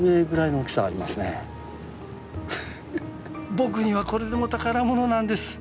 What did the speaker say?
僕にはこれでも宝物なんです！